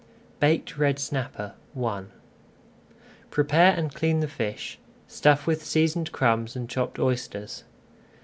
BAKED RED SNAPPER I Prepare and clean the fish, stuff with [Page 258] seasoned crumbs and chopped oysters.